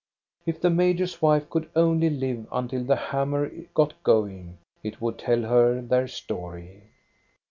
If the major's wife could only live until the hammer got going, it would tell her their story.